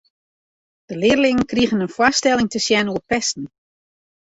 De learlingen krigen in foarstelling te sjen oer pesten.